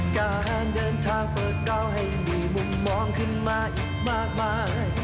การเดินทางเปิดดาวให้มีมุมมองขึ้นมาอีกมากมาย